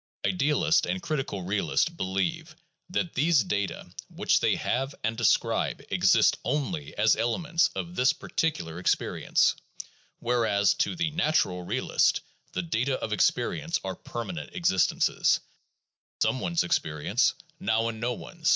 Both idealist and critical realist believe that these data which they have and describe exist only as elements of this particular experience — whereas to the "natural" realist the data of experience are permanent existences, now in some one's ex perience, now in no one's.